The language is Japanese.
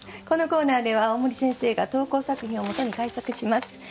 このコーナーでは大森先生が投稿作品をもとに改作します。